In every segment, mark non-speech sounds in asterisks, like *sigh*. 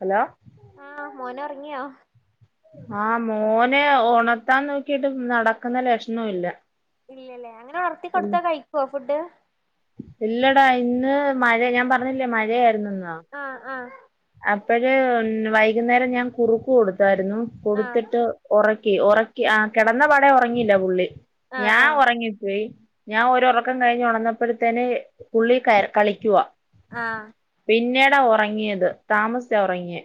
Hello ആഹ് മോനൊറങ്ങിയൊ. ആഹ് മോന് ഒണത്താൻ നോക്കീട്ട് നടക്കുന്ന ലക്ഷ്ണോല്ല ഇല്ലല്ലേ അങ്ങനെ ഒണർത്തി കൊടുത്താ കഴിക്കൊ ഫുഡ് ഇല്ലടാ ഇന്ന് മഴ ഞാൻ പറഞ്ഞില്ലേ മഴയായിരുന്നുന്ന് ആഹ ആഹ അപ്പഴേ വൈകുന്നേരം ഞാൻ കുറുക്ക് കൊടുത്തായിരുന്നു ആഹ് കൊടുത്തിട്ട് ഒറക്കി ഒറക്കി ആ കിടന്നപാടെ ഒറങ്ങില്ല പുള്ളി ആഹ് ഞാൻ ആഹ് ഒറങ്ങിപ്പോയി ഞാൻ ഒരറക്കം കഴിഞ്ഞ് ഉണന്നപ്പോത്തേനെ പുള്ളി കളിക്കുവാ ആഹ പിന്നീടാ ഒറങ്ങിയത് താമസിച്ചാ ഒറങ്ങിയെ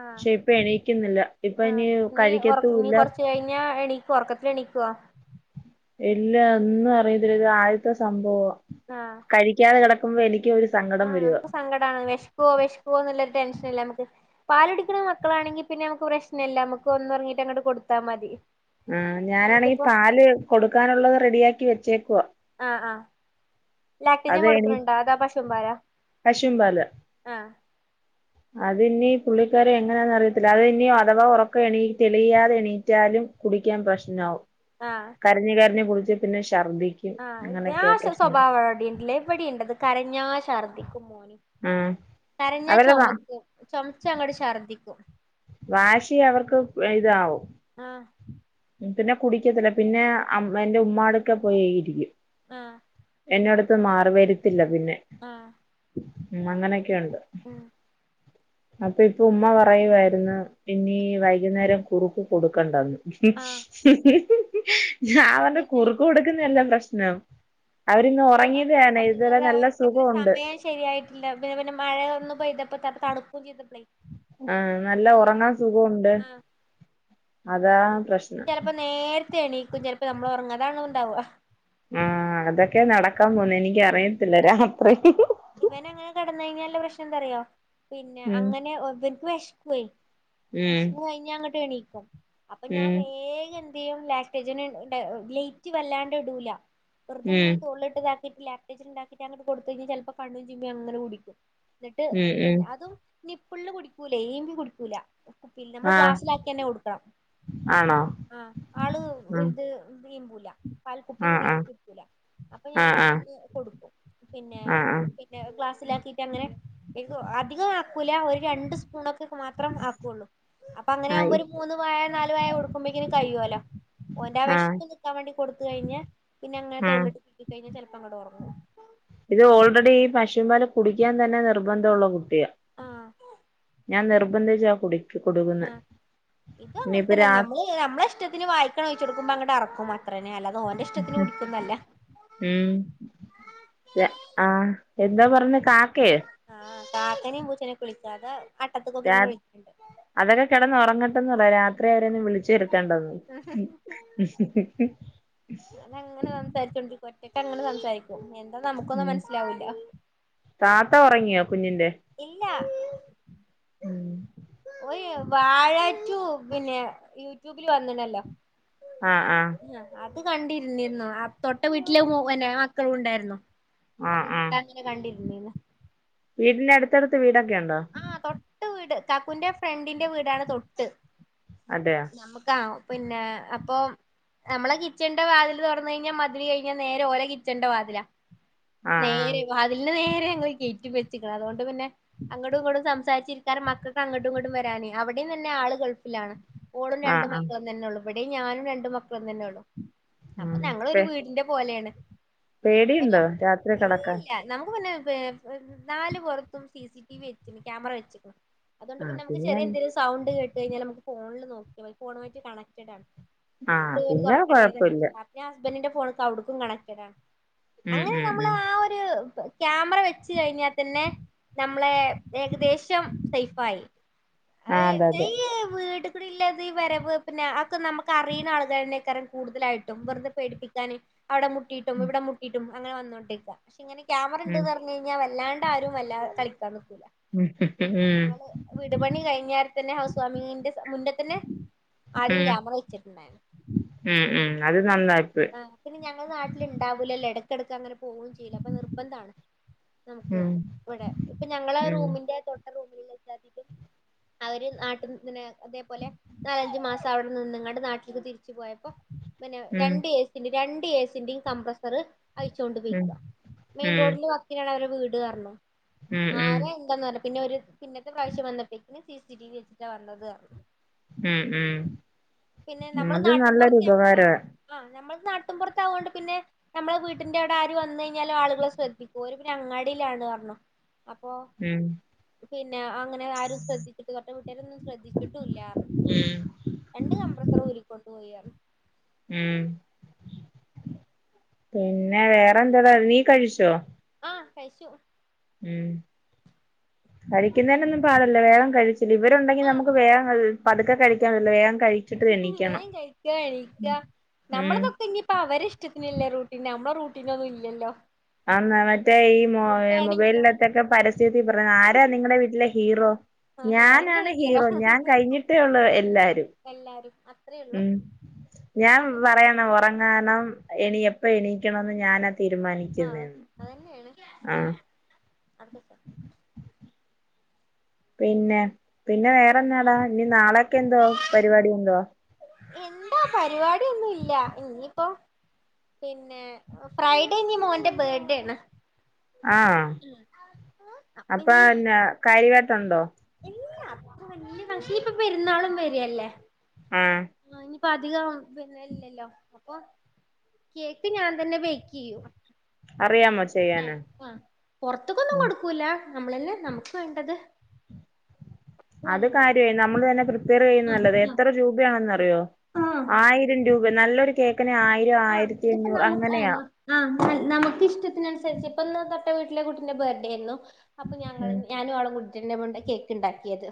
ആഹ് പക്ഷെ ഇപ്പണീക്കുന്നില്ല ആഹ് ഇപ്പനി ഇനി ഒറ ഇനി കഴിക്കത്തുല്ലാ കൊറച്ച് കഴിഞ്ഞാ എണീ ഒറക്കത്തിൽ എണിക്കോ ഇല്ല ഒന്നും അറിയതില്ല ഇത്ആദ്യത്തെ സംഭവാ ആഹ കഴിക്കാതെ കിടക്കുമ്പോ എനിക്കൊരു ആ നമുക്ക് സങ്കടാണ് വെഷ്ക്കൊ വെഷ്കൊന്നള്ള ടെൻഷനല്ലെ നമ്മക്ക് പാലുടിക്കുന്ന മക്കളാണെങ്കിൽ പിന്നെ മുക്ക് പ്രശ്നല്ല മക്ക് ഒന്നുറങ്ങിട്ട് കൊടുത്താ മതി ആ ആഹ് ഞാനാണെ ങ്കി ഇതിപ്പോ പാല് കൊടുക്കാനുള്ളത് റെഡിയാക്കി വെച്ചേക്കുവാ ആഹ ആഹ ലാക്ടോജൻ അത് എണീ കൊടുക്കണണ്ടോ അതോ പശും പാലോ പശും ആഹ അതിണ്ണി പുള്ളിക്കാരങ്ങനെയാന്ന റിയത്തില്ല അത് നി അഥവാ ഉറക്കെ എണീ തെളിയാതെ എണീറ്റാലും കുടിക്കാൻ പ്രശ്നാവും ആഹ കര്ഞ് കര്ഞ്ഞ് കുടിച്ച് പിന്ന ഷർദി ആഹ *unintelligible* ആസ്വഭാവം എവിടെ എവിടെണ്ടത് കരഞ്ഞാശർദിക്കും ആ കരഞ്ഞാ അവരുടെ വാ ചുമക്കും ചുമച്ചങ്ങട്ട് ഛർദ്ദിക്കും വാശി അവർക്ക് വൽതാവും ആഹ പിന്നെ കുടിക്കത്തില്ല പിന്നെ അ എൻ്റെ മ്മാടൊക്കെ പോയിരിക്കും ആഹ എന്നോടത്ത് മാറി വരിത്തില്ല പിന്നെ ആഹ ഉം അങ്ങനെക്കെയുണ്ട് ആ അപ്പൊ ഇപ്പ ഉമ്മ പറയുമായിരുന്നു ഇനി വൈകുന്നേരം കുറുക്ക് കൊടുക്കണ്ടാന്ന് ആഹ് ഞാ പറഞി പിന്നെ കുറുക്ക് കൊടുക്കുന്നന്തല്ല പ്രശ്നം അവരിന്ന് ഉറങ്ങിയതാണ് ഇതുവരെ ഉറങ്ങുന്ന നല്ല ഉറക്കത്തിന് സുഖവുണ്ട് സമയം ശരിയായിട്ടില്ല പിന്നെ പിന്നെ മഴയ ഒന്നു പോ്തപ്പ ത തണുക്കുക ചെയ്തിട്ടേ ആഹ നല്ല ഉറങ്ങാൻ സുഖവുണ്ട് അതാ പ്രശന ചിലപ്പോ നേരത്തെ എണീക്കും ചിലപ്പോ നമ്മൾ ഉറങ്ങ അതാണ് ഉണ്ടാവുക ആഹ അതൊക്കെ നടക്കാൻ പോണ് എനിക്ക അറിയത്തില്ല രാത്രി ഇവന അങ്ങനെ കടന്ന കഴിഞ്ഞാാലല്ല പ്രശ്നം എന്തറയാോ പിന്നെ ഉം അങ്ങനെവനിക്ക് വെഷക്കുവേ ഉം വെഷന്ന്കഴിഞ്ഞ അങ്ങോട്ട് എണീക്കും അപ്പൊ ഞാൻ ഉം വേഗം എന്ത്യും ലാക്റ്റേജന് ലേറ്റ് വല്ലാണ്ട് ഇടൂല ഉം വറുതെങ്ങെ തുള്ളള്ളിട്ട്താക്കിട്ട് ലാക്ടേി ഉണ്ടാക്കിട്ട് അങ്ങട്ട കൊടു കഴിഞ്ഞാ ചിലപ്പോ കണ്ും ചമ്മ അങ്ങനെ കുടിക്കും എന്നിട്ട് ഉം ഉം പിന്നെ അതും നിപ്പിള്ള് കുടിക്കൂല ഈമ്പി കുടിക്കൂല പിന്നെ ആ നമ്മള് ഗ്ലാസ്സിലാക്കി തന്നെ കൊടുക്കണം ആണോ ആഹ് ആള് ഇത് ആ ഈമ്പൂല പൽക്കുപ്പി ആ ഇങ്ങനെ ആ ഈമ്പി കുടിക്കൂല അപ്പൊ ആ ഞാന് ആ അങ്ങനെ കൊടുക്കും പിന്നെ ആ ആ പിന്നെ ഒരു ക്ലാസ്സിലാക്കിയിട്ട് അങ്ങനെ അധികം ആക്കൂല ഒരു രണ്ട് സ്പൂണൊക്കെ മാത്രം ആക്കുള്ളൂ അപ്പൊ അങ്ങനെ ആകുമ്പോ ആയി ഒരു മൂന്ന് വായ നാല് വായ കൊടുക്കുമ്പോക്കിന് കഴിയുവല്ലോ ഓന്റെ ആ വെശ്പ്പ് ഉറക്കാൻ വേണ്ടി കൊടുത്ത് കഴിഞ്ഞ പിന്നെ അങ്ങനെ ആ തോളിലിട്ട് കഴിഞ്ഞാ ചിലപ്പോ അങ്ങട് ഉറങ്ങും ഇത് ഓൾറെഡി ഈ പശുവിൻ പാല് കുടിക്കാൻ തന്നെ നിർബന്ധമുള്ള കുട്ടിയാണ് ആഹ് ഞാൻ നിർബന്ധിച്ചാ കുടി കൊടുക്കുന്നത് ഇനിയിപ്പൊ രാ നമ്മള ഇഷ്ടത്തിന് വായിക്കട് ഒഴിച്ച് കൊടുക്കുമ്പൊ അങ്ങട്ട് ഇറക്കും അത്ര തന്നെ അല്ലാതെ ഓന്റെ ഇഷ്ടത്തിന് കുടിക്കൊന്നും അല്ല ഉം ആഹ് എന്താ പറഞ്ഞെ കാക്കയോ ആഹ് കാക്കനെയും പൂച്ചനൊക്കെ വിളിക്കാ അത് അട്ടത്ത്ക്കോക്കി രാ ഇങ്ങനെ വിളിക്ക്ണ്ട് അതൊക്കെ കിടന്നുറങ്ങ ണ്ടാന്ന് പറയ് രാത്രി അവര ഒന്നും വിളിച്ച് വരുത്തണ്ടന്ന് ഞാൻ അങ്ങനെ സംസാരിച്ചോണ്ട് ഇരിക്കാ ഒറ്റക്ക് അങ്ങനെ സംസാരിക്കും എന്താ നമുക്കൊന്നും ഉം മനസ്സിലാവൂല്ല താത്ത ഉറങ്ങിയോ കുഞ്ഞിന്റെ ഇല്ല ഓ വാഴാറ്റു പിന്നെ യൂട്യൂബിൽ വന്ന്ണല്ലോ ആഹ് ആഹ് അത് കണ്ടിരുന്നിരുന്നു തൊട്ട വീട്ടിലെ മക്കളും ഉണ്ടായിരുന്നു ആഹ് ഒക്കെ ആഹ് കൂടെ അങ്ങനെ കണ്ടിര്ന്നിനി വീടിന്റെ അടുത്തടുത്ത് വീടൊക്കെ ഉണ്ടോ ആ തൊട്ട് വീട് കാക്കൂന്റെ ഫ്രണ്ടിന്റെ വീടാണ് തൊട്ട് അതെയോ നമക്കാ പിന്നെ അപ്പൊ നമ്മളെ കിച്ചന്റെ വതില് തുറന്നു കഴിഞ്ഞാൽ മതില് കഴിഞ്ഞാ നേരെ ഓലെ കിച്ചന്റെ വാതിലാ ആഹ് നേരെ ആഹ് വാതിലിന്റെ നേരെ ഞങ്ങൾ ഗയ്റ്റ് വച്ച്ക്ക്ണ് അതുകൊണ്ട് പിന്നെ അങ്ങോട്ടും ഇങ്ങോട്ടും സംസാരിച്ചിരിക്കാനും മക്കൾക്ക് അങ്ങോട്ടും ഇങ്ങോട്ടും വരാനും അവിടെയും തന്നെ ആള് ഗൾഫിലാണ് ഓളും ആഹ് രണ്ട് ആഹ് മക്കളും തന്നെ ഉള്ളു ഇവിടെയും ഞാനും രണ്ട് മക്കളും തന്നെയുള്ളു അപ്പൊ ആഹ് ഞങ്ങളൊ ഒരു പേ വീടിന്റെ പോലെയാണ് പേടിയുണ്ടോ രാത്രി കിടക്കാൻ ഇല്ലല്ല നമുക്ക് പിന്നെ നാല് പുറത്തും സിസിടി വി വെച്ചിക്ക്ണ് ക്യാമറ വെച്ചിക്ക്ണ് അതുകൊണ്ട് പിന്നെ നമുക്ക് ചെറിയ എന്തെങ്കിലും സൗണ്ട് കേട്ട് കഴിഞ്ഞാൽ നമുക്ക് ഫോണിൽ നോക്കിയാ മതി ഫോൺ ആയിട്ട് കണക്റ്റഡ് ആണ് ആഹ് ഡോർ പിന്നെ തുറക്കണ്ട കൊഴപ്പില്ല *unintelligible* ഇഞ്ഞി ഹസ്ബൻഡിന്റെ ഫോണ്ക്ക് അവിടുക്കും കണക്ട് ആണ് ഉം അങ്ങനെ ഉം നമ്മൾ ഉം ആ ഒരു ക്യാമറ വെച്ച് കഴിഞ്ഞാൽ തന്നെ നമ്മള് ഏകദേശം സേഫായി ആ അതെ അതെ *unintelligible* വീട് കള് ഇളള വരവ് പിന്നെ അതൊക്കെ നമുക്ക് അറിയുന്ന ആൾതന്നെയ്ക്കാരം കൂടുതലായിട്ടും വെറുതെ പേടിപ്പിക്കാൻ അവിടെ മുട്ടിയിട്ടും ഉം ഇവിടെ മുട്ടയിട്ടും അങ്ങനെ വന്നോണ്ടേരിക്ക പക്ഷെ ഇങ്ങനെ ക്യാമറ ഉം ഉണ്ട്ന്ന് പറഞ്ഞ് കഴിഞ്ഞാൽ വല്ലാണ്ട് ആരും വല്ലാ കളിക്കാൻ നിക്കൂല ഉം ഞങ്ങള് വീട്പണി കഴിഞ്ഞേരതന്നെ ഹൗസ് ഫാമിങ്ങിന്റെ മുന്നെ തന്നെ ആദ്യം ഉം ക്യാമറ വെച്ചിട്ടുണ്ടായിന് ഉം ഉം അത് നന്നായിപ്പോയി ആഹ് പിന്നെ ഞങ്ങള് നാട്ടിലുണ്ടാവൂല്ലല്ലോ ഇടക്കിടക്ക് അങ്ങനെ പോവും ചെയ്ല്ല അപ്പ നിർബന്ധണ് നമുക്ക് ഉം ഇവിടെ ഇപ്പ ഉം ഞങ്ങളറൂമിന്റെ തൊട്ട് അവര് നാട്ടിന്നെനെ അതേപോലെ നാലഞ്ചു മാസം അവിടെ നിന്ന്ങ്ങാണ്ട് നാട്ടിൽക്ക് തിരിച്ചു പോയപ്പോ പിന്നെ ഉം രണ്ട് ഏ രണ്ട് എസിന്റെയും കംപ്രസറ് ഉം അഴിച്ചോണ്ട്പെയ്ക്ക ഉം മെയിൻ റോഡിന്റെ വ ക്കിനാണ് അവരെ വീട് അർഞ്ഞു ഉം ഉം ആര എന്താന്ന അറില പിന്നെഒരു പിന്നത്തെ പ്രാവശ്യം വന്നപ്പെക്കിന് സി സി ടി വി വെച്ചിട്ടാ വന്നത് അർഞ് ഉം ഉം പിന്നെ ഉം നമ്മള് അത് നല്ലൊരു നാട്ടിൻപുറത്ത് ഞമ്മള് ആഹ ഉപകാരവാ ആഹ നമ്മള് നാട്ട്പുറത്താവൊണ്ട് പിന്നെ നമ്മളെ വീട്ടിന്റെ അവ്ടെ ആര് വന്ന് കഴിഞ്ഞാലും ആളുകള് ശ്രദ്ധിക്കും ഓര് പിന്നെ അങ്ങാടിയിലാണ് അർഞ്ഞു. അപ്പൊ ഉം പിന്നെ അങ്ങനെ ആരും ശ്രദ്ധിച്ചിട്ട് *inaudible* ശ്രദ്ധിച്ചിട്ടും ഇല്ലാർഞ് ഉം രണ്ട് കംമ്പ്രസറ് ഊരിക്കൊണ്ട് പോയി ഉം പിന്നെ വേറെന്തര നീ കഴിച്ചോ? ആഹ കഴിച്ചു ഉം കഴിക്കുന്നെനൊന്നും പാടില്ല വേഗം കഴി ഇവരുണ്ടെങ്കിൽ ആഹ് നമുക്ക് വേഗം *inaudible* പതുക്കെ കഴിക്കാൻ *inaudible* വേഗം കഴി വേം കഴിക്ക എണീക്ക ഉം നമ്മളതൊക്കെ ഇനി പ്പ അവരിഷ്ടത്തിനല്ലേ റൂട്ടീന് നമ്മടെ റൂട്ടീനൊന്നും ഇല്ലല്ലോ ആന്ന് മറ്റേ ഈ ഫുഡാണെങ്കിലും മൊബൈലിലത്തൊക്കെ പരസ്യതി പറഞ്ഞ ആരാ നിങ്ങളുടെ വീട്ടിലെ ഹീറോ ആഹ് ഞാനാണ് ഓരന്നേണ് ഹീറോ ഞാൻ കഴിഞ്ഞിട്ടേയുള്ള് എല്ലാരും എല്ലാരും അത്രേ ഉള്ളൂ ഉം ഞാൻ അതന്നെ പറയണം ഉറങ്ങാനും എനി എപ്പ എണീക്കണന്ന് ഞാനാ തീരുമാനി ക്ക്യുന്നെ ആഹ് അതന്നേണ് ആഹ *unintelligible* പിന്നെ പിന്നെവേറെന്നാടാ ഇനി നാളെക്കെ എന്തോ പരിപാടി എന്തുവാ? എന്താ പരിപാടി ഒന്നും ഇല്ല ഇനിയിപ്പോ പിന്നെ ഫ്രൈഡേനി മോന്റെ ബേർഡേ ആണ് ആഹ അപ്പൊ അപ്പ ഇഞ്ഞി എന്ന കാര്യവായിട്ടുണ്ടോ ഇല്ല അത്ര വല്ല്യ ഫങ്ഷ ഇനിപ്പൊ പെരുന്നാളും വരിഅല്ലേ ആഹ പ്പോ അധികം പിന്നെല്ലല്ലോ അപ്പൊ കേക്ക് ഞാൻ തന്നെ ബേക്ക്യ്യും അറിയാമോ? ആഹ ചെയ്യാന് ആഹ പൊറത്ത്ക്കൊന്നും കൊടുക്കൂല നമ്മളെന്നെ നമ്മുക്ക് വേണ്ടത് ഞാൻ അത് ഉണ്ടാക്കും കാര്യായി നമ്മൾ തന്നെ പ്രിപ്പയർ ആ ചെയ്യുന്നനല്ലത് എത്ര രൂപയാണെന്നറിയോ ആ ആ ആയിര രം രൂപെ നല്ലൊരു കേക്കിന് ആയിരം ആയിരത്തിഅഞ്ഞൂറ് അങ്ങനെയാ ആഹ നൽ നമുക്ക് ഇഷ്ടത്തിനനുസരിച്ച് ഇപ്പന്ന് തൊട്ടവീട്ടിലെ കുട്ടിന്റെ ബേർഡേരുന്നു. അപ്പൊ ഞങ്ങള് ഉം ഞാനുംഅവളു കൂടി തന്നെ മോൾടെ കേക്ക് ഉണ്ടാക്കിയത്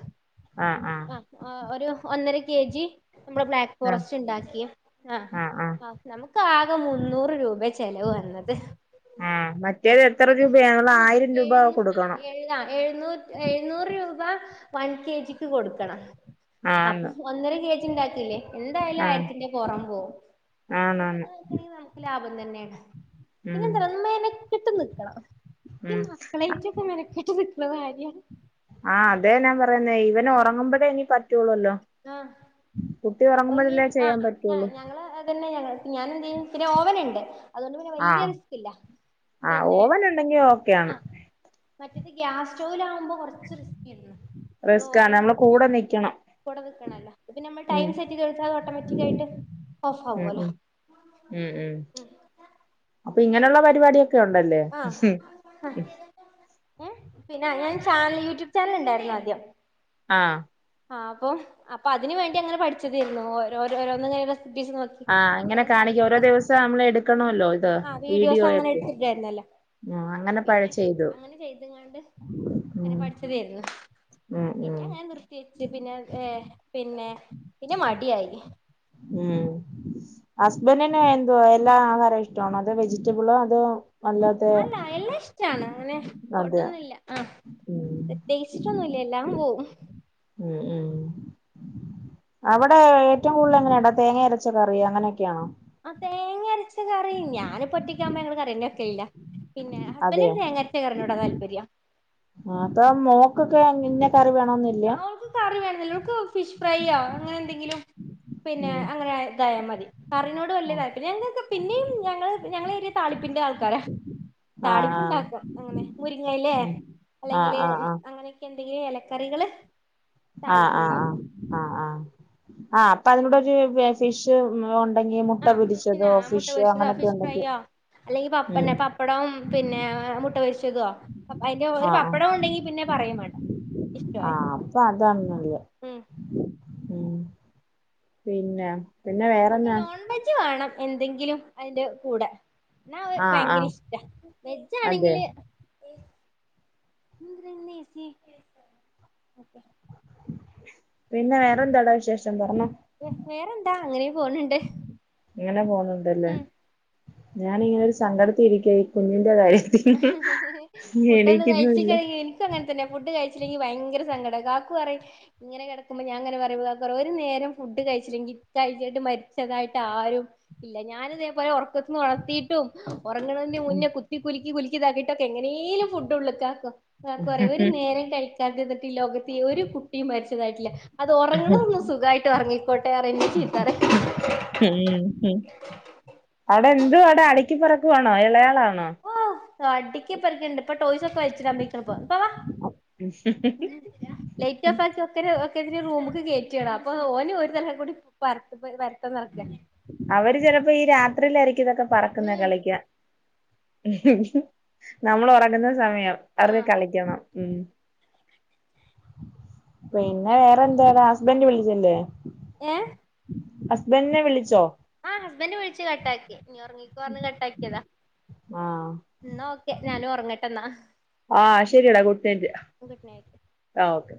ആഹ് ആഹ് ആഹ ആഹ ഒരു ഒന്നര കെ ജി നമ്മടെ ബ്ലാക്ക് ഫോറസ്റ്റ് ഇണ്ടാക്കി ആഹ അഹ ആഹ നമുക്ക് ആകെ മുന്നൂറ് രൂപെ ചെലവ് വന്നത് ആഹ് ആഹ് മറ്റേത് എത്ര അതെ രൂപയാ മ്മള് ആയിരംരൂപ കൊടുക്കണം അഹ എഴുന്നൂ എഴുന്നൂറ് രൂപ വൺ കെ ജിക്ക് കൊടുക്കണം അഹ ആന്ന് ഒന്നര കെജി ഇണ്ടാക്കില്ലേ എന്തായാലും ആയിരത്തിന്റെ പുറം പോവും അങ്ങനെയൊക്കെ ആണന്ന് നോക്കണെങ്കിൽ നമുക്ക് ലാഭം തന്നെണ് പിന്നെ എന്താറിയോ മെനക്കെട്ട് നിക്കണം ഈ ഉം മക്കളേയിറ്റ് ത് മെനക്കെട്ട് കിട്ട്ണ കാര്യാണ് ആഹ് അതെ ഞാൻ പറയുന്നേ ഇവൻ ആഹ് ഉറങ്ങുമ്പഴേ ഇനി പറ്റുള്ളൂല്ലോ ആഹ് കുട്ടി അപ്പൊ ഇനീ ഒറങ്ങുമ്പഴല്ലേ ചെയ്യാൻ ആഹ് ഞ പറ്റുള്ളൂ ഞങ്ങള് അങ്ങൻ തന്നെ നങ്ങള് ഞാനെന്ത് ചെയ്യും പിന്നെ ഓവനുണ്ട് അതോണ്ട് പിന്നെ വല്ല്യ ആഹ് റിസ്ക്കില്ല ആഹ് പിന്നെ ഓവൻ ഉണ്ടെങ്കി ഓക്കെയാണ് ആഹ് മറ്റത് ഗ്യാസ് സ്റ്റൗലാഉമ്പോ കുറച്ച് റിസ്കേരുന്നു ഇപ്പൊ ഓവൻ ഉം വെക്കണം പ്പ നിക്കണല്ലോ ഇത് നമ്മൾ ടൈം സെറ്റ് ചെയ്ത് വെച്ചാത് ഓട്ടോമാറ്റിക്കലായിട്ട് ഓഫ് ഉം ആവോല്ലോ ഉം ഉം ഉം അപ്പൊ പക്ഷെ ഇങ്ങനെള്ള പരിപാടിയൊക്കെ ഉണ്ടല്ലേ അഹ് ഏഹ് പിന്നെ അങ്ങനൊരു ചാനൽ യൂട്യൂബ് ചാനലുണ്ടായിരുന്നു ആദ്യം ആഹ് ആഹ് അപ്പോ അപ്പൊ അതിന് വേണ്ടി അങ്ങനെ പഠിച്ചതേയിരുന്നു ഓരോരോരോന്നിങ്ങനെ റെസിപ്പീസ് നോക്കി ആഹ് അങ്ങനെ കാണിക്കും ഓരോ ദിവസം നമ്മള് എടുക്കണല്ലോ ഇത് വീഡിയോയ്ക്ക് ല്ലായിരുന്നല്ലോ പിന്നെ അങ്ങനെ ചെയ്തങ്ങാണ്ട് അങ്ങനെ ഉം പഠിച്ചതേര്ന്നു ഉം ഉം ഞാൻ നിർത്തി വെച്ച് പിന്നെ ഏഹ് പിന്നെ പിന്നെ മടിയായി ഉം ഹസ്ബന്റിന് എന്തോ എല്ലാ ആഹാരം ഇഷ്ട്ടാണോ അതോ വെജിറ്റബിളോ അതോ അല്ലാതെ അല്ല എല്ലാ ഇഷ്ടാണ് അങ്ങനെ അതെ ഫുടൊന്നില്ല ആഹ് ഉം പ്രത്യേച്ചിട്ടൊന്നുല്ല എല്ലാം പോവും ഉം ഉം അവിടെ ഏറ്റവും കൂടുതൽ എങ്ങനെയാണ് തേങ്ങ അരച്ച കറിയങ്ങനെയൊക്കെയാണോ ആഹ് തേങ്ങരച്ച കറി ഞാനിപ്പൊറ്റക്കാകുമ്പോ ഞങ്ങള് കറിയെന്നെ വെക്കലില്ല പിന്നെ അതെയോ ഹസ്ബന്റിന് തേങ്ങരച്ച കറിനോടാ താല്പര്യം ആതാ മോക്കൊക്കെ അല്ല കറി വേണോം നി ആഹ് ഓക്ക് കറി വേണന്നില്ല ഓൾക്ക് ഫിഷ് ഫ്രൈയോ അങ്ങനെന്തെങ്കിലും പിന്നെ ഉം അങ്ങനെ തായ മതി കറിനോട് വല്ല്യ താല്പര്യല്ല ഞങ്ങൾക്ക് പിന്നെയും ഞങ്ങള് ഞങ്ങള് ഏറിയ തളിപ്പിന്റെ ആൾക്കാരാ ആഹ് താളിപ്പുണ്ടാക്കും അങ്ങനെ മുരിങ്ങയിലേ ആഹ് അല്ലെങ്കില് ആഹ് ആഹ് അങ്ങനെ എന്തെങ്കിലും എലക്കറികള് ആഹ് ആഹ് ആഹ് ആഹ് ആഹ് ആഹ് അപ്പ അതിനോടൊകെ ഫിഷ് *unintelligible* ല്ലെങ്കി മുട്ട ആഹ് പൊരിച്ചതോ ഫിഷിനാ മുട്ട ഫിഷോ പൊരിച്ചതോ അങ്ങനെയൊക്കെ ഉണ്ടെങ്കി ഉം പ്പടം പിന്നെ മുട്ട പൊരിച്ചതോ അയ്ന്റെ ഒരു പപ്പടം ഉണ്ടെങ്കി പിന്നെ പറയും വേണ്ട ഇഷ്ടമായി ആഹ് അപ്പൊ അതാണ് നല്ലെ ഉം ഉം പിന്നെ പിന്നെ ഓക്ക് വേറെന്നാ നോൺ വെജ് വേണം എന്തെങ്കിലും അതിന്റെ കൂടെ എന്നാ അഹ് ആ ആ ഭയങ്കര ഇഷ്ടാ അതെ വെജാണെങ്കില് ഇന്ന് *unintelligible* എസി ഓക്കെ പിന്നെ വേറെന്തടാ വിശേഷം പറഞ്ഞോ വെ വേറെന്താ അങ്ങനെ പോണ് ണ്ട് ഇങ്ങനെ പോന്നുണ്ടല്ലേ ഞാനിങ്ങനെ ഒരു സങ്കടത്തി ഇരിക്ക കുഞ്ഞിന്റെ കാര്യ ഫുഡൊന്നും കയ്ച്ച് കഴിഞേൻ ഇക്കങ്ങൻതന്നെ ഫുഡ് കഴിച്ചില്ലെങ്കി ഭയങ്കര സങ്കടം കാക്കു പറയും ഇങ്ങനെ കിടക്കുമ്പോ ഞാനിങ്ങനെ പറയുമ്പോ കാക്ക പറയും ഒരു നേരം ഫുഡ് കഴിച്ചില്ലെങ്കി കഴിക്കേട്ട് മരിച്ചതായിട്ട് ആരും ഇല്ല ഞാനിതേ പോലെ ഉറക്കത്തിന്ന് ഒനർത്തീട്ടും ഉറങ്ങണതിന്റെ മുന്നേ കുത്തി കുലുക്കി കുലിക്കിതാക്കിട്ടൊക്കെ എങ്ങനേലും ഫുഡ് ഉള്ള് ക്കാക്കും കാകു പറയും ഒരു നേരം കഴിക്കാതിരിന്നിട്ട് ലോകത്ത് ഒരു കുട്ടിയും മരിച്ചതായിട്ടില്ല അത് ഉറങ്ങണോന്ന് സുഖായിട്ട് ഉറങ്ങിക്കോട്ടെ അറിം ഉം ഉം ഹും അടെ എന്തുവാടെ അടക്കിപ്പറക്കുവാണോ ഇളയാളാണോ ഓഹ് അടിക്ക് പെർക്കണ്ട് ഇപ്പൊ ടോയ്സൊക്കെ വെൽച്ചിടാൻ പോയ്ക്ക്ണ് പ്പാ. ലൈറ്റ് ഓഫ് ആക്കി ഒക്ക ഒക്കെതിനെ റൂമിക്ക് കേറ്റാണ് അപ്പൊ ഓനൊരു തലേ കൂടി പര്ത്ത് വര്ത്ത നടക്ക. അവര് ചെലപ്പോ ഈ രാത്രിയിലായിരിക്കും ഇതൊക്കെ പറക്കുന്ന ഉം കളിക്ക നമ്മളൊറങ്ങുന്ന സമയം അവർക്ക് ആഹ് കളിക്കണം. ഉം പിന്നെ വേറെന്ത ഹസ്ബൻഡ് വിളിച്ചില്ലേ. ഏഹ്. അസ്ബന്റ്നെ വിളിച്ചോ. ആഹ് ഹസ്ബൻഡന്റ് വിളിച്ച് കട്ടാക്കി നീ ഉറങ്ങിക്കോ അർഞ് കട്ടാക്കീതാ. ആഹ് ന്നാ ഓക്കെ ഞാനും ഒറങ്ങട്ടെ ന്നാ. ആഹ് ശെരിയടാ ഗുഡ് നൈറ്റ്‌ നൈറ്റ് ആഹ് ഓക്കെ.